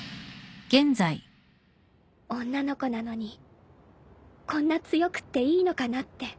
女の子なのにこんな強くっていいのかなって